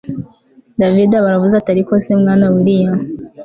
david aba aravuze ati ariko se mwana willia